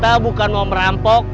kita bukan mau merampok